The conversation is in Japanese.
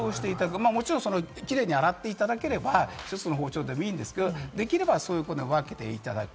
もちろんキレイに洗っていただければ、１つの包丁でもいいんですけれど、できれば分けていただく。